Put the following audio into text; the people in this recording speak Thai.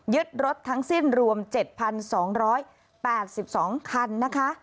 รถทั้งสิ้นรวม๗๒๘๒คันนะคะ